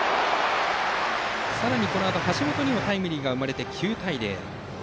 さらに、橋本にもタイムリーが生まれて９対０。